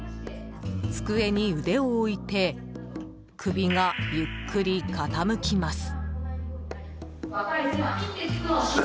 机に腕を置いて首がゆっくり傾きます。